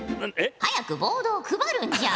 早くボードを配るんじゃ。